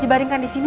dibaringkan di sini